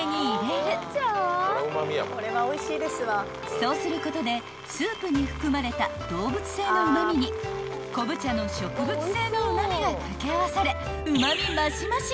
［そうすることでスープに含まれた動物性のうま味に昆布茶の植物性のうま味が掛け合わされうま味マシマシ！］